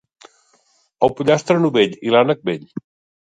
El pollastre, novell, i l'ànec, vell.